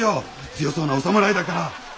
強そうなお侍だから。